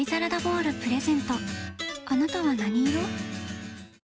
あなたは何色？